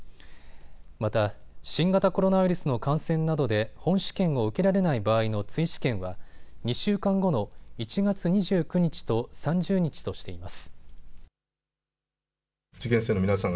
また、新型コロナウイルスの感染などで本試験を受けられない場合の追試験は２週間後の１月２９日と３０日としています。